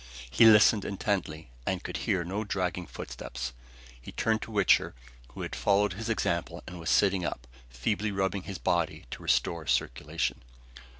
He listened intently, and could hear no dragging footsteps. He turned to Wichter, who had followed his example and was sitting up, feebly rubbing his body to restore circulation.